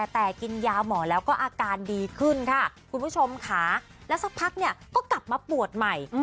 แต่กินยาหมอแล้วก็อาการดีขึ้นค่ะคุณผู้ชมค่ะแล้วสักพักเนี่ยก็กลับมาปวดใหม่